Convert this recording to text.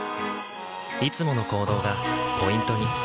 いつもの行動がポイントに。